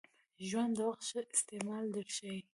ژوند د وخت ښه استعمال در ښایي .